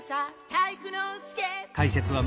体育ノ介」